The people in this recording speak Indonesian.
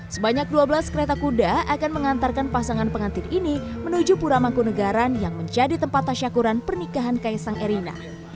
sebanyak dua belas kereta kuda akan mengantarkan pasangan pengantin ini menuju pura mangkunegaran yang menjadi tempat tasyakuran pernikahan kaisang erina